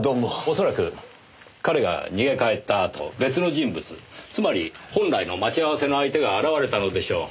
恐らく彼が逃げ帰ったあと別の人物つまり本来の待ち合わせの相手が現れたのでしょう。